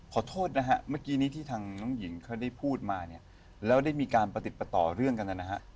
ขอโทษนะฮะเมื่อกี้นี้ที่ทางน้องหญิงเขาได้พูดมาเนี่ยแล้วได้มีการประติดประต่อเรื่องกันนะฮะ